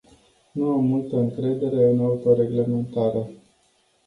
Nu am multă încredere în autoreglementare.